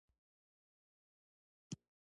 د خدای یاد او ذکر زړونو ته سکون ورکوي.